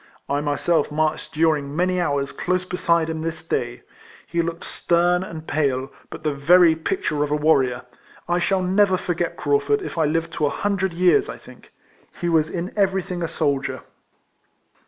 I myself marched during many hours close beside him this day. He looked stern and pale; but the very picture of a warrior. I shall never forget Craufurd if I live to a hundred years, I think. He was in everything a soldier.